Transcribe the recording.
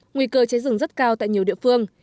nguy cơ cháy rừng rất cao tại nhiều địa phương